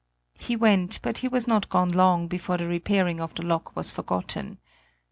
He went; but he was not gone long, before the repairing of the lock was forgotten.